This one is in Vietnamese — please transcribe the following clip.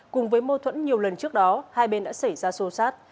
cùng với mâu thuẫn nhiều lần trước đó hai bên đã xảy ra xô xát